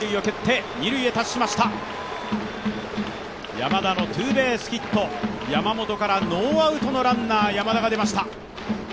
山田のツーベースヒット、山本からノーアウトのランナー山田が出ました。